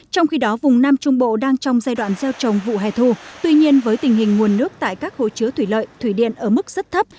trong khi đó vùng nam trung bộ đang trong giai đoạn gieo trồng vụ hè thu tuy nhiên với tình hình nguồn nước tại các hồ chứa thủy lợi thủy điện ở mức rất thấp